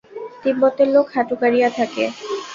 তিব্বতের লোক হাঁটু গাড়িয়া থাকে।